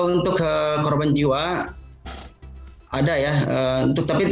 untuk korban jiwa ada ya